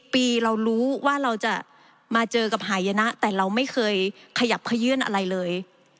ปีเรารู้ว่าเราจะมาเจอกับหายนะแต่เราไม่เคยขยับขยื่นอะไรเลย